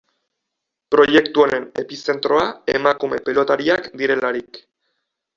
Proiektu honen epizentroa emakume pilotariak direlarik.